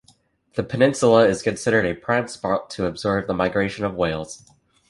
The peninsula is considered a prime spot to observe the migration of whales.